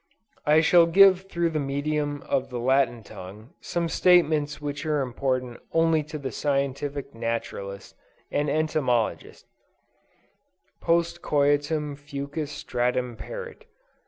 I shall give through the medium of the Latin tongue, some statements which are important only to the scientific naturalist, and entomologist. Post coitum fucus statim perit.